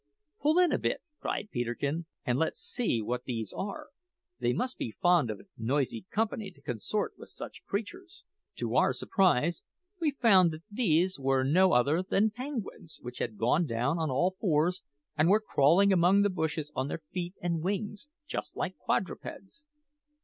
"Pull in a bit," cried Peterkin, "and let's see what these are. They must be fond of noisy company to consort with such creatures." To our surprise, we found that these were no other than penguins which had gone down on all fours, and were crawling among the bushes on their feet and wings, just like quadrupeds.